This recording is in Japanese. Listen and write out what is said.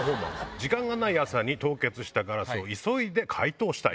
時間がない朝に凍結したガラスを急いで解凍したい。